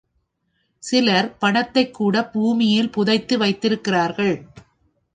சிலர் பணத்தைக்கூடப் பூமியில் புதைத்து வைத்திருக்கிறார்கள்.